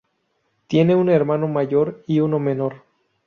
Tiene un hermano mayor y uno menor.